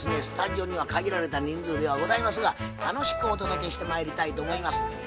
スタジオには限られた人数ではございますが楽しくお届けしてまいりたいと思います。